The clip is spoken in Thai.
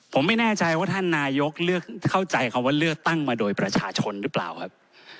ผมไม่แน่ใจว่าท่านนายกเลือกเข้าใจคำว่าเลือกตั้งมาโดยประชาชนหรือเปล่าครับ